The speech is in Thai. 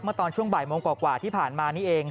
ตอนช่วงบ่ายโมงกว่าที่ผ่านมานี่เอง